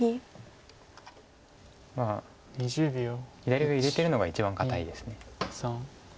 まあ左上入れてるのが一番堅いです。